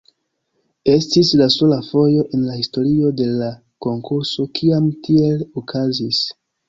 Estis la sola fojo en la historio de la konkurso kiam tiele okazis.